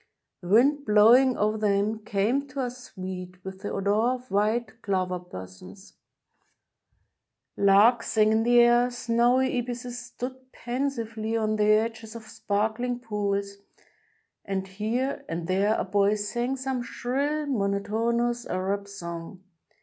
The wind blowing over them came to us sweet with the odor of white clover blossoms : larks sang in the air, snowy ibises stood pensively on the edges of sparkling pools, and here and there a boy sang some shrill, monotonous Arab song.